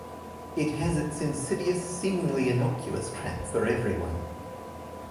It has its insidious, seemingly innocuous trap for every one.